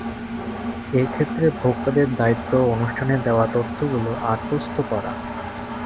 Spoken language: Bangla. এ ক্ষেত্রে ভোক্তাদের দায়িত্ব অনুষ্ঠানে দেওয়া তথ্যগুলো আত্মস্থ করা।